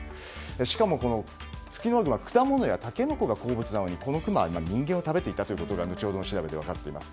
しかも、ツキノワグマは果物やタケノコが好物なのにこのクマは人間と食べていたことが分かっています。